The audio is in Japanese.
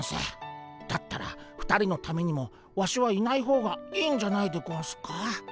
だったら２人のためにもワシはいない方がいいんじゃないでゴンスか？